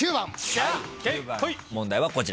問題はこちら。